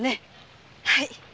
はい。